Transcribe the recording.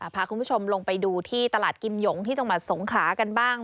พาคุณผู้ชมลงไปดูที่ตลาดกิมหยงที่จังหวัดสงขลากันบ้าง